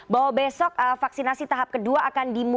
bahwa besok vaksinasi tahap kedua akan dimulai